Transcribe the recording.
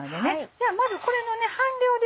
じゃあまずこれの半量ですね